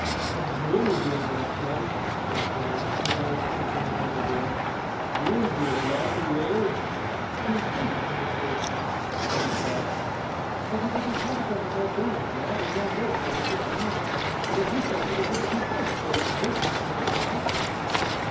'The groom will be a blessed mun,' said John, his eyes twinkling at the idea. 'He'll be in luck, he will.' 'You see, Mr. Nickleby,' said his wife, 'that it was in consequence of her being here, that John wrote to you and fixed tonight, because we thought that it wouldn't be pleasant for you to meet, after what has passed.